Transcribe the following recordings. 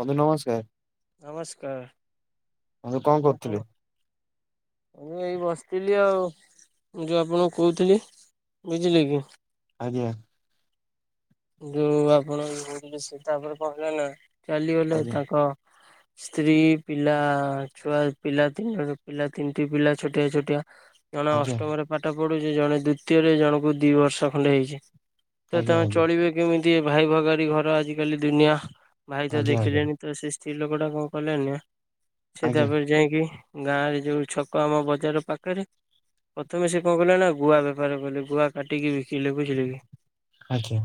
ବନ୍ଧୁ ନମସ୍କାର। ନମସ୍କାର। ବନ୍ଧୁ ଆଉ କଣ କରୁଥିଲେ? ଖବର ମୁଁ ଏଇ ବସିଥିଲି ଆଉ। ମୁଁ ଯୋଉ ଆପଣଙ୍କୁ କହୁଥିଲି ବୁଝିଲେ କି? ଆଜ୍ଞା। ଯୋଉ ଆପଣ ଭୂବନେସି ତାପରେ କଣ ହେଲେ ନା ଚାଲିଗଲେ ଆଜ୍ଞା ତାଙ୍କ ସ୍ତ୍ରୀ ପିଲା ଛୁଆ ପିଲା ତିନି ପିଲା ତିନିଟି ପିଲା ଛୋଟିଆ ଛୋଟିଆ ଜଣେ ଆଜ୍ଞା ଅଷ୍ଟମରେ ପାଠ ପଢୁଛି ଜଣେ ଦ୍ଵିତୀୟରେ ଜଣଙ୍କୁ ଦି ବର୍ଷ ଖଣ୍ଡେ ହେଇଛି। ତ ଆଜ୍ଞ ତମେ ଆା ଚଳିବେ କେମିତି ଭାଇ ଭଗାଡି ଘର ଆଜିକାଲି ଦୁନିଆ ଭାଇ ତ ଆଜ୍ଞା ଦେଖିଲେଣି ତ ସେ ସ୍ତ୍ରୀ ଲୋକ ଟା କଣ କଲାଣି ନା ସେ ଆଜ୍ଞା ତାପରେ ଯାଇକି ଗାଁ ରେ ଯୋଉ ଛକ ଆମ ବଜାର ପାଖରେ ପ୍ରଥମେ ସେ କଣ କଲେ ନା ଗୁଆ ବେପାର କଲେ। ଗୁଆ କାଟିକି ବିକିଲେ ବୁଝିଲେ କି? ଆଜ୍ଞା।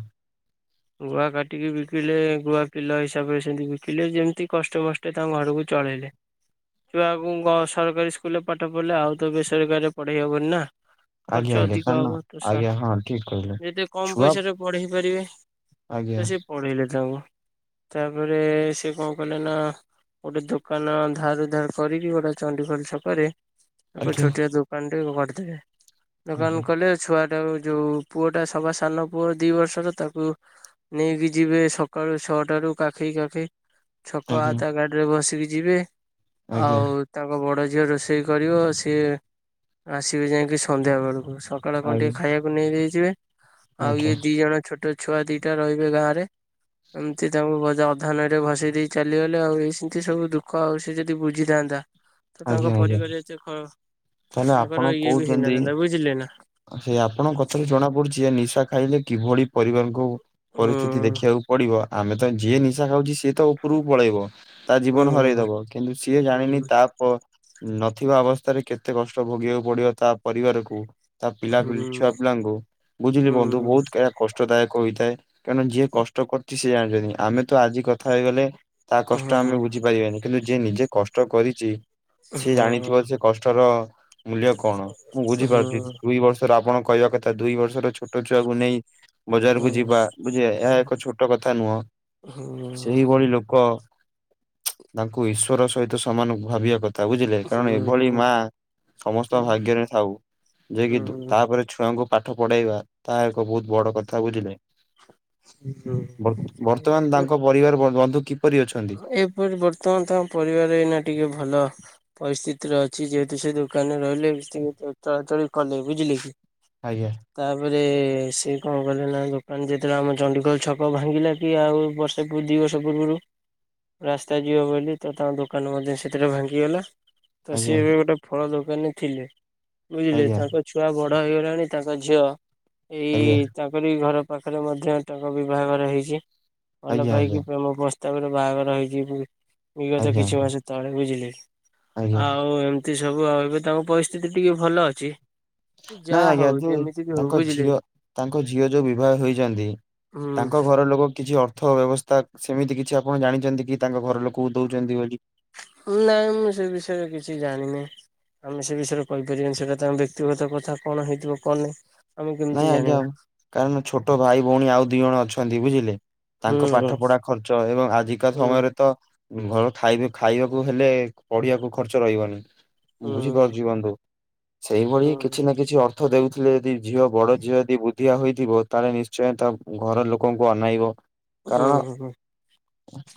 ଗୁଆ କାଟିକି ବିକିଲେ ଗୁଆ କିଲୋ ହିସାବରେ ସେମିତି ବିକିଲେ। ଯେମତି କଷ୍ଟମଷ୍ଟ ତାଙ୍କ ଘର ବୁ ଚଳେଇଲେ। ଛୁଆଙ୍ଗୁ ଙ୍ଗ ସରକାରୀ ସ୍କୁଲରେ ପାଠ ପଢିଲେ ଆଉ ତ ବେସରକାରୀରେ ପଢେଇ ହବନି ନା। ଆଜ୍ଞା ଖର୍ଚ୍ଚ ଆଜ୍ଞା ଅଧିକ କାନ ହବ ଆଜ୍ଞା ତୁଷାର ହଁ ଠିକ କହିଲେ। ଯଦି କମ ଛୁଆ ପଇସା ପଢେଇ ପାରିବେ ଆଜ୍ଞା ତ ସେ ପଢେଇଲେ ତାକୁ। ତାପରେ ସେ କଣ କଲେ ନା ଗୋଟେ ଦୋକାନ ଧାର ଉଧାର କରିକି ଗୋଟେ ଚଣ୍ଡିଖୋଲ ଛକରେ ତାକୁ ଆଜ୍ଞା ଛୋଟିଆ ଦୋକାନ ଟେ କରିଦେବେ ଦୋକାନ ଆଜ୍ଞା କଲେ ଛୁଆ ସେଟା ଯୋଉ ପୁଅଟା ସବା ସାନ ପୁଅ ଦି ବର୍ଷର ତାକୁ ନେଇକି ଯିବେ ସକାଳୁ ଛଅଟାରୁ କାଖେଇ କାଖେଇ ଛକ ଆ ଆଜ୍ଞା ତା ଗାଡି ରେ ବସିକି ଯିବେ ଆଜ୍ଞା ଆଉ ତାଙ୍କ ବଡ ଝିଅ ରୋଷେଇ କରିବ ସିଏ ଆସିବେ ଯାଇକି ସନ୍ଧ୍ୟାବେଳକୁ। ସକାଳେ କଣ ଟିକେ ଆଜ୍ଞା। ଖାଇବାକୁ ନେଇଯାଇଥିବେ। ଆଜ୍ଞା। ଛୋଟ ଛୁଆ ଦିଟା ରହିବେ ଗାଁରେ। ଏମିତି ତାଙ୍କୁ ଅଧାନରେ ଭସେଇ ଦେଇ ଚାଲିଗଲେ ଆଉ ଏଇ ସେମିତି ସବୁ ଦୁଃଖ ଆଉ ସେ ଯଦି ବୁଝିଥାନ୍ତା। ତ ଆଜ୍ଞା ତାଙ୍କ ଆଜ୍ଞା ପରିବାର ଏତେ ହଁ ତାହେଲେ ତାଙ୍କର ଇଏ ବି ହେଇନଥାନ୍ତା ବୁଝିଲେ ନା? ସେଇ ଆପଣଙ୍କ କଥାରୁ ଜଣା ପଡୁଛି ଯେ ନିଶା ଖାଇଲେ କିଭଳି ପରିବାରକୁ ହୁଁ ପରିସ୍ଥିତି ଦେଖିବାକୁ ପଡିବ ଆମେ ତ ଯିଏ ନିଶା ଖାଉଛ ସିଏ ତ ଉପରକୁ ପଳେଇବ। ତା ହୁଁ ଜୀବନ ହରେଇଦେବ କିନ୍ତୁ ସିଏ ଜାଣିନି ହୁଁ ତାପ ନଥିବା ଅବସ୍ଥାରେ କେତେ କଷ୍ଟ ଭୋଗିବାକୁ ପଡିବ ତା ପରିବାରକୁ। ତା ପିଲା ପିଲି ହୁଁ ଛୁଆ ପିଲାଙ୍କୁ ବୁଝିଲି ହୁଁ ବନ୍ଧୁ ବହୁତ କଷ୍ଟଦାୟକ ହୋଇଥାଏ। କାରଣ ଯିଏ କଷ୍ଟ କରଛି ସେ ଜାଣିଛନ୍ତି ଆମେ ତ ଆଜି କଥା ହେଇଗଲେ। ତା ହୁଁ କଷ୍ଟ ଆମେ ବୁଝିପାରିଵାନି କିନ୍ତୁ ଯିଏ ନିଜେ କଷ୍ଟ କରିଛି। ସେ ଜାଣିଥିବ ହୁଁ ସେ କଷ୍ଟର ମୂଲ୍ୟ କଣ ମୁଁ ବୁଝିପାରୁଛି। ହୁଁ ଦୁଇ ବର୍ଷର ଆପଣ କହିବା କଥା ଦୁଇ ବର୍ଷର ଛୋଟ ଛୁଆକୁ ନେଇ ବଜାରକୁ ହୁଁ ଯିବା ବୁଝ ଏହା ଏକ ଛୋଟ କଥା ନୁହଁ। ଏପରି ସେଇଭଳି ଲୋକ ତାଙ୍କୁ ଇଶ୍ୱର ସହିତ ସମାନଙ୍କୁ ଭାବିବା କଥା। ତା ବୁଝିଲେ କାରଣ ଏଭଳି ମା ସମସ୍ତଙ୍କ ଭାଗ୍ୟରେ ଥାଉ ଯ କି ଦୁ ତାପରେ ଛୁଆ ଗୁ ପାଠ ପଢେଇବା ତାହା ଏକ ବହୁତ ବଡ କଥା ବୁଝିଲେ। ଵ ବର୍ତ୍ତମାନ ତାଙ୍କ ପରିବାର ବଧୂ ଏପରି ବର୍ତ୍ତମାନ ତାଙ୍କ ପରିବାର ଏଇନା ଟିକେ ଭଲ। ପରିସ୍ଥିତିରେ ଅଛି ଯେହେତୁ ସେ ଦୋକାନରେ ରହିଲେ ଚଳାଚଳି କଲେ ବୁଝିଲେ କି? ଆଜ୍ଞା। ତାପରେ ସେ କଣ କଲେ ନା ଦୋକାନ ଯେତେବେଳେ ଆମ ଚଡିଗୋଲ ଛକ ଭାଙ୍ଗିଲା କି ଆଉ ବର୍ଷେ ଦି ବର୍ଷ ତାପୂର୍ବରୁ ରାସ୍ତା ଯିବ ବୋଲି ତ ତାଙ୍କ ଦୋକାନ ମଧ୍ୟ ସେଥିରେ ଭାଙ୍ଗିଗଲା। ତ ସେ ଆଜ୍ଞା ଏବେ ଗୋଟେ ଫଳ ଦୋକାନରେ ଥିଲେ ବୁଝିଲେ ଆଜ୍ଞା ତାଙ୍କ ଛୁଆ ବଡ ବଢ ହେଇଗଲାଣି ତାଙ୍କ ଝିଅ ଆଜ୍ଞା ଏଇ ତାଙ୍କରି ଘର ପାଖରେ ମଧ୍ୟ ତାଙ୍କ ବିବାଘର ହେଇଛି ଭଲ ଆଜ୍ଞା ଆଜ୍ଞା ପାଇକି ପ୍ରେମ ପ୍ରସ୍ତ ତା ପରେ ବାହାଘର ହେଇଛି ବିଗତ ଆଜ୍ଞା କିଛି ମାସ ତଳେ ବୁଝିଲେ ଆଜ୍ଞା ଆଉ ଏମତି ସବୁ ଆଉ ଏବେ ତାଙ୍କ ପରିସ୍ଥିତି ଟିକେ ଭଲ ଅଛି। ନାଇଁ ଯାହା ଆଜ୍ଞା ହଉ ଯ ଯେମିତି ବି ହଉ ତାଙ୍କ ବୁଝିଲେ ଝିଅ କି ତାଙ୍କ ଝିଅ ଯୋଉ ବିବାହ ହେଛନ୍ତି। ହୁଁ ତାଙ୍କ ଘର ଲୋକ କିଛି ଅ ଅର୍ଥ ବ୍ୟବସ୍ଥା ସେମିତି କିଛି ଆପଣ ଜାଣିଛନ୍ତି କି ତାଙ୍କ ଘର ଲୋକଙ୍କୁ ଦଉଛନ୍ତି ବୋଲି? ନାଇଁ ମୁଁ ସେ ବିଷୟରେ କିଛି ଜାଣିନାହିଁ। ଆମେ ସେ ବିଷୟରେ କହିପାରିବାନି ସେଇଟା ତାଙ୍କ ବ୍ୟକ୍ତିଗତ କଥା କଣ ହେଇଥିବ କଣ ନାହିଁ। ଆମେ କେମିତି ନାଇଁ ଆଜ୍ଞା ଜାଣିବା କାରଣ ଛୋଟ ଭାଇ ଭଉଣୀ ଆଉ ଦିଇ ଜଣ ଅଛନ୍ତି ବୁଝିଲେ। ହୁଁ ତାଙ୍କ ପାଠ ପଢା ଖର୍ଚ୍ଚ ଏବଂ ଆଜିକା ହୁଁ ସମୟରେ ତ ଘର ଖାଇବେ ଖାଇବାକୁ ହେଲେ ପଢିବାକୁ ଖର୍ଚ୍ଚ ରହିବନି ହୁଁ ବୁଝିପାରୁଛି ବଧୁ। ସେଇଭଳି ହୁଁ କିଛି ନା କିଛି ଅର୍ଥ ଦଉଥିଲେ ଯଦି ଝିଅ ବଡ ଝିଅ ଯଦି ଦିଆ ହୋଇଇଥିବ ତାହେଲେ ନିଶ୍ଚୟ ତା ଘର ଲୋକଙ୍କୁ ଅନାଇବ। ହୁଁ କାରଣ ହଁ ହଁ।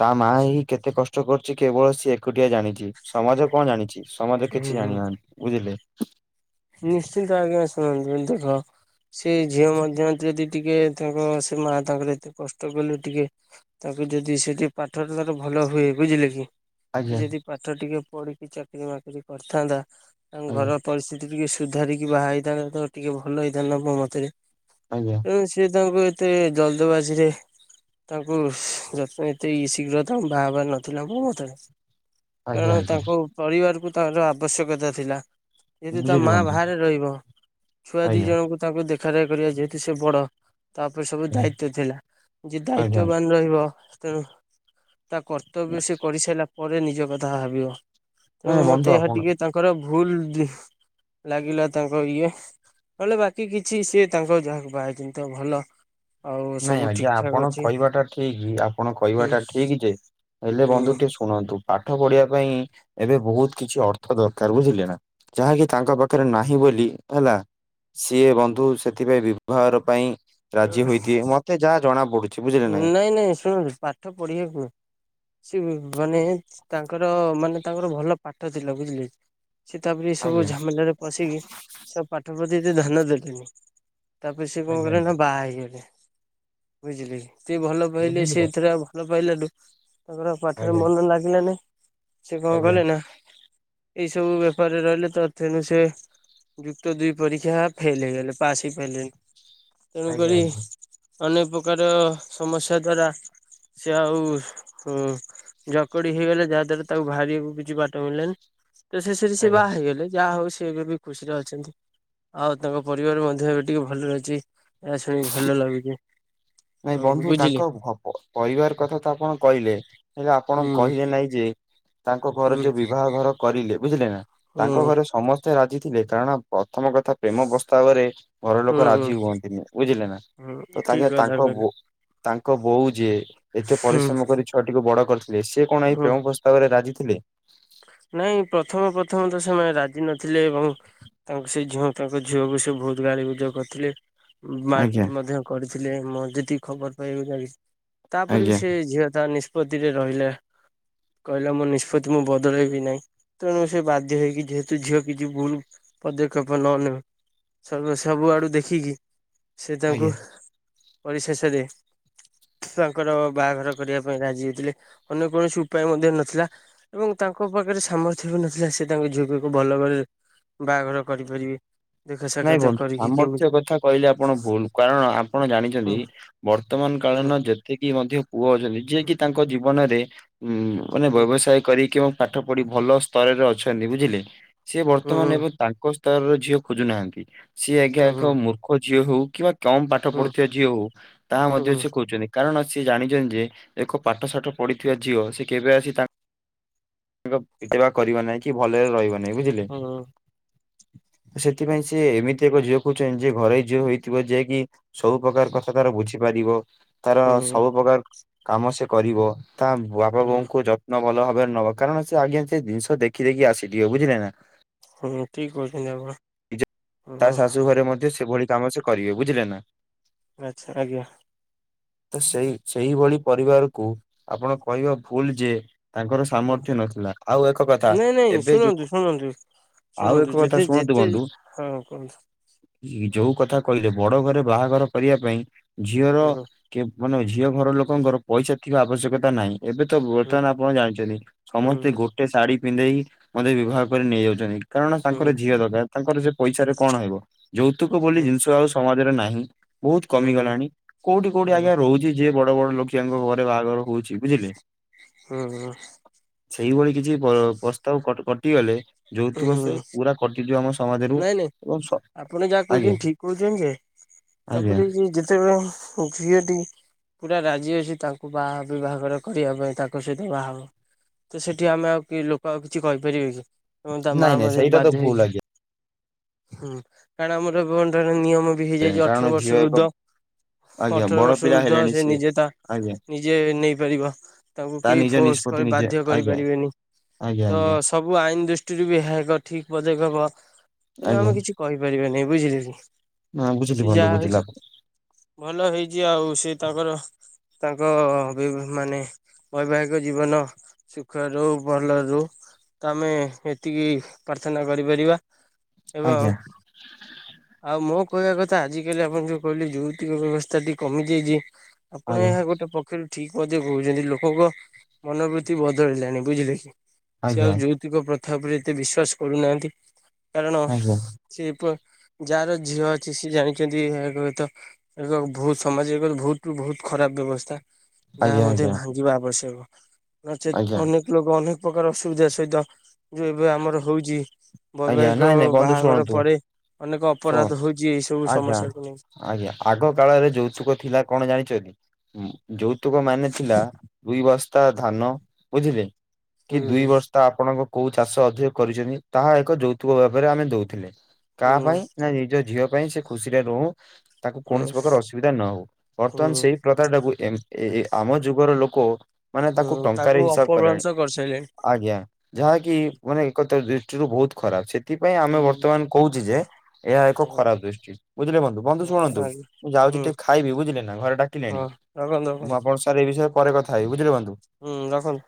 ତା ମା ହି କେତେ କଷ୍ଟ କରୁଛି କେବଳ ସିଏ ଏକୁଟିଆ ଜାଣିଛି ସମାଜ କଣ ଜାଣିଛି। ସମାଜ କିଛି ହୁଁ ଜାଣିନାହାନ୍ତି ବୁଝିଲେ? ନିଶ୍ଚିନ୍ତ ଆଜ୍ଞା ଶୁଣନ୍ତୁ ଦେଖ ସେ ଝିଅ ମଧ୍ୟ ଯଦି ଟିକେ ତାଙ୍କ ସେ ମା ତାଙ୍କର ଏତେ କଷ୍ଟ କଲେ ଟିକେ ତାଙ୍କ ଯଦି ସେଠିକେ ପାଠରେ ତାର ଭଲ ଭଲ ହୁଏ ବୁଝିଲେ କି? ସିଏ ଆଜ୍ଞା ଯଦି ପାଠ ଟିକେ ପଢିକି ଚାକିରି ମାକିରି କରିଥାନ୍ତା ତାଙ୍କ ଆଜ୍ଞା ଘର ପରିସ୍ଥିତି ଟିକେ ସୁଧାରିକି ବାହା ହେଇଥାନ୍ତା ତ ଟିକେ ଭଲ ହେଇଥାନ୍ତା ମୋ ମତରେ ଆଜ୍ଞା ତେଣୁ ସେ ତାଙ୍କୁ ଏତେ ଜଲଦବାଜି ରେ ତାଙ୍କୁ ଯତ୍ନ ଏତେ ଶୀଘ୍ର ତମ୍ ବହା ହବାର ନଥିଲା ମୋ ମତରେ। ଆଜ୍ଞା କାରଣ ଆଜ୍ଞା ତାଙ୍କୁ ପରିବାରକୁ ତାଙ୍କର ଆବଶ୍ୟକତା ଥିଲା। ଯେହେତୁ ତା ବୁଝିଲି ମା ବନ୍ଧୁ ବାହାରେ ରହିବ ଛୁଆ ଦି ଆଜ୍ଞା ଜଣଙ୍କୁ ତାଙ୍କୁ ଦେଖା ରେଖା କରିବା ଯେହେତୁ ସେ ବଡ଼। ତା ଉପରେ ସବୁ ଦାୟିତ୍ୱ ଥିଲା ଯେ ଆଜ୍ଞା ଦାୟିତ୍ଵବାନ ରହିବ ତେଣୁ ତା କର୍ତ୍ତବ୍ୟ ସେ କରିସାରିଲା ପରେ ନିଜ କଥା ଭାବିବ ତେଣୁ ନାଇଁ ବନ୍ଧୁ ମତେ ଏହା ଆପଣ ଟିକେ ତାଙ୍କର ଭୁଲ୍ ଦିହୁ ଲାଗିଲା ତାଙ୍କ ଇଏ। ନହେଲେ ବାକି କିଛି ସିଏ ତାଙ୍କ ଯାହାକୁ ବାହା ହେଇଛନ୍ତି ତ ଭଲ ଆଉ ନାଇଁ ସବୁ ଠିକ ଆଜ୍ଞା ଠାକ ଆପଣ ଅଛି କହିବାଟା ଠିକ୍ ଆପଣ ହୁଁ କହିବାଟା ଠିକ୍ ଯେ ହେଲେ ବନ୍ଧୁ ହୁଁ। ଟିକେ ଶୁଣନ୍ତୁ। ପାଠ ପଢ଼ିବା ପାଇଁ ଏବେ ବହୁତ୍ କିଛି ଅର୍ଥ ଦରକାର୍ ବୁଝିଲେ ନା ଯାହାକି ତାଙ୍କ ପାଖରେ ନାହିଁ। ବୋଲି ହେଲା ସିଏ ବନ୍ଧୁ ସେଥିପାଇଁ ବିଭାଘର ପାଇଁ ପାଇଁ ରାଜି ହୋଇ ଦିଏ ମତେ ଯାହା ଜଣା ନାଇଁ ନାଇଁ ଶୁଣନ୍ତୁ ପାଠ ପଢ଼ିବାକୁ ସେ ମାନେ ତାଙ୍କର ମାନେ ତାଙ୍କର ଭଲ ପାଠ ଥିଲା ବୁଝିଲେ କି? ସେ ତାପରେ ଏସବୁ ଆଜ୍ଞା ଝାମେଲାରେ ପଶିକି ସବୁ ପାଠ ପ୍ରତି ଧ୍ୟାନ ଦେଲେନି। ତାପରେ ସେ କଣ କଲେ ଆଜ୍ଞା ନା ବାହା ହେଇଗଲେ ବୁଝିଲେକି ଏତେ ଭଲ ପାଇଲେ ବୁଝିଲୁ ସେ ତ ଏଥିରେ ଆଉ ଭଲ ପାଇଲାଠୁ ତାଙ୍କର ଆଉ ପାଠରେ ଆଜ୍ଞା ମନ ଲାଗିଲାନାଇ ସେ କଣ ଆଜ୍ଞା କଲେ ନା ଏଇ ସବୁ ବେପାରରେ ରହିଲେ ତ ତେଣୁ ସେ ଯୁକ୍ତ ଦୁଇ ପରୀକ୍ଷା ଫେଲ୍ ହେଇଗଲେ ପାସ୍ ହେଇ ପାଇଲେନି ତେଣୁ ଆଜ୍ଞା କରି ଆଜ୍ଞା ଅନେକ ପ୍ରକାର ସମସ୍ୟା ଦ୍ଵାରା ସେ ଆଉ ହୁଁ ଜକଡ଼ି ହେଇଗଲେ ଯାହା ଦ୍ଵାରା ତାକୁ ବାହାରିବାକୁ କିଛି ବାଟ ମିଳିଲାନି। ତ ଶେଷରେ ସେ ଆଜ୍ଞା। ବାହା ହେଇଗଲେ ଯାହା ହଉ ସେ ଏବେ ବି ଖୁସିରେ ଅଛନ୍ତି ଆଉ ତାଙ୍କ ପରିବାର ମଧ୍ୟ ଏବେ ଟିକେ ଭଲରେ ଅଛି। ଏରା ଶୁଣିିକି ଭଲ ଲାଗୁଚି। ନାଇଁ ବନ୍ଧୁ ତାଙ୍କ ପରିବାର କଥା ତ ଆପଣ କହିଲେ ହେଲେ ଆପଣ ହୁଁ କହିଲେ ନାଇଁ ଯେ। ତାଙ୍କ ଘରେ ହୁଁ ଯୋଉ ବିବାହ ଘର କରିଲେ ବୁଝିଲେ ନା ହୁଁ ତାଙ୍କ ଘରେ ସମସ୍ତେ ରାଜି ଥିଲେ। କାରଣ ପ୍ରଥମ କଥା ପ୍ରେମ ପସ୍ତାବରେ ଘର ହୁଁ ଲୋକ ହୁଁ ରାଜି ହୁଅନ୍ତିନି ବୁଝିଲେ ନା ହୁଁ ତ ଠିକ ତାଙ୍କେ କଥା ତାଙ୍କ କହିଲେ ବୋ ତାଙ୍କ ବୋଉ ଯିଏ ଏତେ ହୁଁ ପରିଶ୍ରମ କରି ଛୁଆଟିକୁ ବଡ଼ କରିଥିଲେ ସେ କଣ ଏଇ ହୁଁ ପ୍ରେମ ପ୍ରସ୍ତାବରେ ରାଜି ଥିଲେ। ନାଇଁ ପ୍ରଥମ ପ୍ରଥମ ତ ସେମାନେ ରାଜି ନଥିଲେ ଏବଂ ତାଙ୍କୁ ସେ ଝିଅ ତାଙ୍କ ଝିଅକୁ ସେ ବହୁତ୍ ଗାଳି ଗୁଜ କରିଥିଲେ। ଆଜ୍ଞା ମାରପିଟ୍ ମଧ୍ୟ କରିଥିଲେ। ମୁଁ ଯେତିକି ଖବର ପାଇବାକୁ ଯାଇ ତାପରେ ବି ଆଜ୍ଞା ସେ ଝିଅ ତା ନିଷ୍ପତ୍ତିରେ ରହିଲା କହିଲା ମୋ ନିଷ୍ପତ୍ତି ମୁଁ ବ ଦଳେଇବି ନାଇଁ ତେଣୁ ସେ ବାଧ୍ୟ ହେଇକି ଯେହେତୁ ଝିଅ କିଛି ଭୁଲ୍ ପଦକ୍ଷେପ ନ ନେବ ସବୁ ସବୁଆଡ଼ୁ ଦେଖିକି ସେ ଆଜ୍ଞା। ତାଙ୍କୁ ପରିଶେସେରେ ତାଙ୍କର ବାହାଘର କରିବା ପାଇଁ ରାଜି ହେଇଥିଲେ ଅନ୍ୟ କୌଣସି ଉପାୟ ମଧ୍ୟ ନଥିଲା। ଏବଂ ତାଙ୍କ ପାଖରେ ସାମର୍ଥ୍ୟ ବି ନଥିଲା ସେ ତାଙ୍କ ଝିଅକୁ ଭଲ ଘରେ ବାହାଘର କରିପାରିବେ। ଦେଖା ନାଇଁ ସାକ୍ଷାତ ବନ୍ଧୁ କରିକି କେମିତି ସାମର୍ଥ୍ୟ କଥା କହିଲେ ଆପଣ ଭୁଲ୍ କାରଣ ଆପଣ ଜାଣିଛନ୍ତି ବର୍ତ୍ତମାନ୍ କାଳ କାରଣ ଯେତିକି ମଧ୍ୟ ପୁଅ ଅଛନ୍ତି ଯିଏକି ତାଙ୍କ ଜୀବନରେ ହୁଁ ମାନେ ହୁଁ ବ୍ୟବସାୟ କରି କେଉଁ ପାଠ ପଢ଼ି ଭଲ ସ୍ତରରେ ଅଛନ୍ତି ବୁଝିଲେ? ସେ ହୁଁ ବର୍ତ୍ତମାନ ଏବେ ତାଙ୍କ ସ୍ତରର ଝିଅ ଖୋଜୁନାହାନ୍ତି ସିଏ ଆଜ୍ଞା ହୁଁ ଏକ ମୂର୍ଖ ଝିଅ ହଉ କିମ୍ବା କମ୍ ପାଠ ହୁଁ ପଢୁଥିବା ଝିଅ ହଉ ତାହା ମଧ୍ୟ ହୁଁ ସେ ଖୋଜୁଚନ୍ତି। କାରଣ ସେ ଜାଣିଚନ୍ତି ଯେ ଏକ ପାଠ ସାଠ ପଢ଼ିଥିବା ଝିଅ ସେ କେବେ ଆସି ତା ବିତେବା କରିବା ନାଇଁ କି ଭଲରେ ରହିବା ନାଇଁ ବୁଝିଲେ ହୁଁ ସେଥିପାଇଁ ସେ ସିଏ ଏମିତି ଏକ ଝିଅ ଖୋଜୁଚନ୍ତି ଯିଏ ଘରୋଇ ଝିଅ ହେଇଥିବ ଜେକିି ସବୁ ପ୍ରକାର କଥା ତାର ବୁଝିପାରିବ। ତାର ସବୁ ପ୍ରକାର କାମ ସେ କରିବ ତା ବାପ ହୁଁ ବୋଉଙ୍କୁ ଯତ୍ନ ଭଲ ଭାବ ନବ କାରଣ ସେ ଆଜ୍ଞା ସେ ଜିନିଷ ଦେଖି ଦେଖି ଆସିଥିବ ବୁଝିଲେ ନା? ହୁଁ, ଠିକ କହୁଛନ୍ତି ଆପଣ ଏଜ। ତା ହୁଁ ଶାଶୁ ଘରେ ମଧ୍ୟ ସେଭଳି। କାମ ସେ କରିବେ ବୁଝିଲେ ନା। ଆଚ୍ଛା ଆଜ୍ଞା। ତ ସେଇ, ସେଇଭଳି ପରିବାରକୁ ଆପଣ କହିବା ଭୁଲ ଯେ ତାଙ୍କର ହୁଁ ସାମର୍ଥ୍ୟ ନଥିଲା। ଆଉ ଏକ କଥା ନାଇଁ ନାଇଁ ଏବେ ଯଉ ଶୁଣନ୍ତୁ କ ଶୁଣନ୍ତୁ ଆଉ ଶୁଣନ୍ତୁ ଏକ କଥା ଯେତେ ଶୁଣନ୍ତୁ ଯେତେ ବନ୍ଧୁ। ହଁ କୁହନ୍ତୁ ଇ ଯୋଉ କଥା କହିଲେ ବଡ ଘରେ ବାହାଘର କରିବା ପାଇଁ ଝିଅର ହୁଁ କେ ମାନେ ଝିଅ ଘର ଲୋକଙ୍କର ପଇସା ଥିବା ଆବଶ୍ୟକତା ନାହିଁ ଏବେ ତ ହୁଁ ବର୍ତ୍ତମାନ ଆପଣ ଜାଣିଛନ୍ତି। ସମସ୍ତେ ହୁଁ ଗୋଟେ ଶାଢୀ ପିନ୍ଧେଇି ମନ୍ଦିରେ ବିବାହ କରି ନେଇଯାଉଛନ୍ତି। କାରଣ ହୁଁ ତାଙ୍କର ଝିଅ ଦରକାର ତାଙ୍କର ସେ ପଇସା ରେ କଣ ହେବ। ଯୌତୁକ ବୋଲି ହୁଁ ଜିନିଷ ଆଉ ସମାଜରେ ନାହିଁ ବହୁତ ହୁଁ କମିଗଲାଣି କୋଉଠି କୋଉଠି ହୁଁ ଆଜ୍ଞା ରହୁଛି ଯିଏ ବ ବଡ ବଡ ଲୋକିଆଙ୍କ ଘରେ ବାହାଘର ହଉଛି ବୁଝିଲେ। ହୁଁ ହୁଁ। ସେଇଭଳି କିଛି ପର ପ୍ରସ୍ତାବ କଟ କଟିଗଲେ। ଯୌତୁକ ସେ ପୁରା କଟିଯିବ ଆମ ସମାଜରୁ ନାଇଁ ନାଇଁ ଏବଂ ସ ଆପଣ ଯାହା ଆଜ୍ଞା। କହୁଛନ୍ତି ଠିକ କହୁଛନ୍ତି ଯେ ଆଜ୍ଞା। ତାପରେ ଯିଏ ଯେତେବେଳେ ଝିଅଟିଏ। ପୁରା ରାଜି ଅଛି ତାଙ୍କୁ ବାହା ବିଭାଘର କରିବା ପାଇଁ ତାଙ୍କ ସହିତ ବାହାହେବା। ତ ସେଠି ଆମେ ଆଉ କି ଲୋକ ଆଉ କିଛି କହିପାରିବେ କି? ଏବଂ ତା ମା ନାଇଁ ମ ନାଇଁ [unintelligible] ସେଇଟା ତ ବାଧ୍ୟ ଭୁଲ ହେଇଛୁ। ଆଜ୍ଞା ହୁଁ, କାରଣ ଆମର [unintelligible] ନିୟ ଆମ ବି ହେଇଯାଇଛି ଅଠର କାରଣ ଝିଅ ବର୍ଷରୁ ଏକ ଉର୍ଦ୍ଧ। ଆଜ୍ଞା ଅଠର ବଡ ବର୍ଷ ପିଲା ଉର୍ଦ୍ଧ ହେଲେଣି ସେ ସିଏ। ନିଜେ ତା ଆଜ୍ଞା ନିଜେ ନେଇପାରିବ। ତାକୁ ତା କେହି ନିଜ ଫୋର୍ସ ନିଷ୍ପତ୍ତି କରି ନିଜେ ବାଧ୍ୟ ଆଜ୍ଞା କରିପାରିବେନି। ଆଜ୍ଞା ତ ଆଜ୍ଞା ସବୁ ଆଇନ ଦୃ ଷ୍ଟିରୁ ବି ଏହା ଏକ ଠିକ ପଦକ୍ଷେପ। ତେଣୁ ଆଜ୍ଞା। ଆମେ କିଛି କହିପାରିବା ନାହିଁ ବୁଝିଲେ କି। ହଁ ବୁଝିଲି ସେ ବନ୍ଧୁ ଯାହା ବୁଝିଲି ହେଇଛି ଆପଣ ଭଲ ହେଇଛି ଆଉ ସେ ତାଙ୍କର ତାଙ୍କ ବି ଭ ମାନେ ବୈବାହିକ ଜୀବନ ସୁଖରେ ରହୁ, ଭଲ ରହୁ ତ ଆମେ ହେ ଏତିକି ପ୍ରାର୍ଥନା କରିପାରିବା ଏବଂ ଆଜ୍ଞା ଆଉ ମୁଁ କହିବା କଥ ଥା। ଆଜି କାଲି ଆପଣ ଯୋଉ କହିଲେ ଯୌତୁକ ବ୍ୟବସ୍ଥାଟି କମିଯାଇଛି ଆପଣ ଆଜ୍ଞା ଏହା ଗୋଟେ ପକ୍ଷରୁ ଠିକ ମଧ୍ୟ କହୁଛନ୍ତି। ଲୋକଙ୍କ ମନୋବୃତ୍ତି ବଦଳିଲାଣି। ବୁଝିଲେ କି? ସେ ଆଜ୍ଞା ଆଉ ଯୌତୁକ ପ୍ରଥା ଉପରେ ଏତେ ବିଶ୍ଵାସ କରୁନାହାନ୍ତି। କାରଣ ଆଜ୍ଞା ସେ ପ ଯାହାର ଝିଅ ଅଛି ସିଏ ଜାଣିଛନ୍ତି ଏହା ଏକ [unintelligible] ଏକ ବହୁତ ସମାଜ [unintelligible] ବହୁତ ରୁ ବହୁତ ଖରାପ ବ୍ୟବସ୍ଥା। ଆଜ୍ଞା ଯାହା ମଧ୍ୟ ଆଜ୍ଞା। ଭାଙ୍ଗିବା ଆବଶ୍ୟକ। ନଚେତ୍ ଆଜ୍ଞା ଅନେକ ଲୋକ ଅନେକ ପ୍ରକାର ଅସୁବିଧା ସହିତ ଯୋଉ ଏବେ ଆମର ହଉଛି। ଆଜ୍ଞା ବୈବାହିକ ନାଇଁ ନାଇଁ ବନ୍ଧୁ ବାହାଘର ଶୁଣନ୍ତୁ ପରେ ଅନେକ ଅପରାଧ ଶୁଣନ୍ତୁ ହଉଛି ଏଇ ସବୁ ଆଜ୍ଞା। ସମସ୍ୟାକୁ ନେଇ। ଆଜ୍ଞା ଆଗ କାଳରେ ଯୌତୁକ ଥିଲା କଣ ଜାଣି ଛ କି? ଉମ ଯୌତୁକ ମାନେ ଥିଲା ଦୁଇ ବସ୍ତା ଧାନ ବୁଝିଲେ। କି ହୁଁ ଦୁଇ ବସ୍ତା ଆପଣଙ୍କ କୋଉ ଚାଷ ଅଧିକ କରିଛନ୍ତି? ତାହା ଏକ ଯୌତୁକ ଭାବରେ ଆମେ ଦଉଥିଲେ। ହୁଁ କାହା ପାଇଁ ନା ନିଜ ଝିଅ ପାଇଁ, ସେ ଖୁସିରେ ରହୁ। ତାକୁ ହୁଁ କୌଣସି ପ୍ରକାର ଅସୁବିଧା ନ ହଉ। ବର୍ତ୍ତମାନ ହୁଁ ସେଇ ପ୍ରଥା ଟାକୁ ଏମ ଏ ଏ ଆମ ଯୁଗର ଲୋକ ମାନେ ତାକୁ ହୁଁ ଟଙ୍କାରେ ହିସାବ କଲାଣି। ଅପଭ୍ରଂଶ କରିସାରିଲେଣି। ଆଜ୍ଞା ଯାହାକି ମାନେ ଏକତ୍ର ଦୃ ଷ୍ଟି ରୁ ବହୁତ ଖରାପ। ସେଥିପାଇଁ ଆମେ ହୁଁ ବର୍ତ୍ତମାନ କହୁଛେ ଯେ ଏହା ଏକ ହଁ ଖରାପ ଦୃଷ୍ଟି। ବୁଝିଲେ ବନ୍ଧୁ। ବନ୍ଧୁ ହଁ ଶୁଣନ୍ତୁ, ଆଜ୍ଞା। ମୁଁ ଯାଉଛି ହୁଁ ଟିକେ ଖାଇବି ବୁଝିଲେ ନା ଘରେ ଡାକିଲେଣି। ହଁ ରଖନ୍ତୁ ମୁଁ ରଖନ୍ତୁ ଆପଣ ସାର୍ ଏଇ ବିଷୟରେ ପରେ କଥା ହେବି, ବୁଝିଲେ ବନ୍ଧୁ। ହୁଁ ରଖନ୍